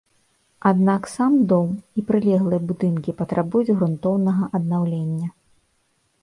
Аднак сам дом і прылеглыя будынкі патрабуюць грунтоўнага аднаўлення.